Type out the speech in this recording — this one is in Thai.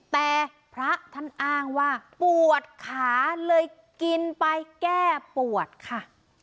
แต่พระท่านอ้างว่าปวดขาเลยกินไปแก้ปวดค่ะ